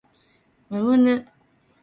むむぬ